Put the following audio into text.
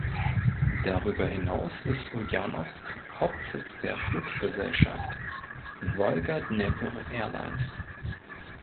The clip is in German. Darüber hinaus ist Uljanowsk Hauptsitz der Fluggesellschaft Volga-Dnepr Airlines.